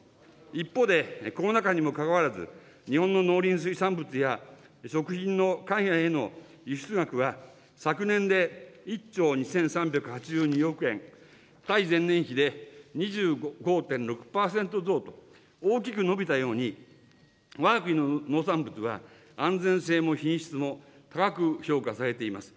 一方で、コロナ禍にもかかわらず、日本の農林水産物や、食品の海外への輸出額は、昨年で１兆２３８２億円、対前年比で２５．６％増と、大きく伸びたように、わが国の農産物は、安全性も品質も高く評価されています。